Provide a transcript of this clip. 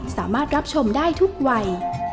สามารถรับชมได้ทุกวัย